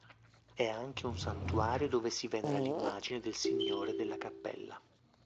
È anche un santuario dove si venera l'immagine del Signore della Cappella.